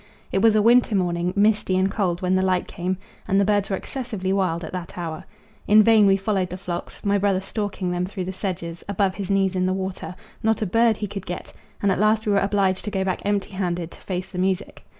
It was a winter morning, misty and cold when the light came, and the birds were excessively wild at that hour. In vain we followed the flocks, my brother stalking them through the sedges, above his knees in the water; not a bird could he get, and at last we were obliged to go back empty handed to face the music.